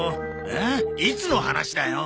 えっいつの話だよ。